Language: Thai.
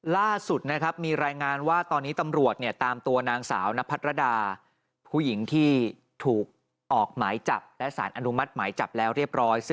ล่าสุดนะครับมีรายงานว่าตอนนี้ตำรวจตามตัวนางสาวนพัทรดาผู้หญิงที่ถูกออกหมายจับและสารอนุมัติหมายจับแล้วเรียบร้อย